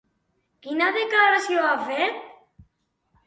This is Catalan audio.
Quina declaració ha fet?